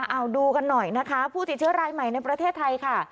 เอาดูกันหน่อยนะคะผู้ติดเชื้อรายใหม่ในประเทศไทยค่ะ